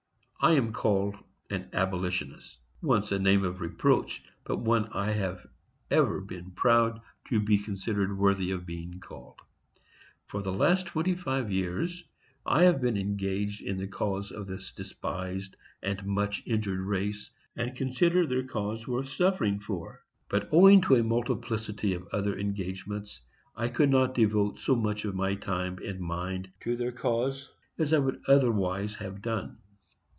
I am called an Abolitionist; once a name of reproach, but one I have ever been proud to be considered worthy of being called. For the last twenty five years I have been engaged in the cause of this despised and much injured race, and consider their cause worth suffering for; but, owing to a multiplicity of other engagements, I could not devote so much of my time and mind to their cause as I otherwise should have done.